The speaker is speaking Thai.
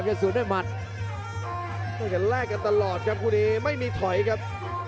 เถิดถอยครับ